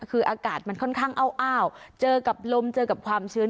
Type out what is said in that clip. คืออากาศมันค่อนข้างอ้าวเจอกับลมเจอกับความชื้น